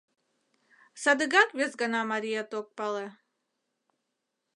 — Садыгак вес гана мариет ок пале...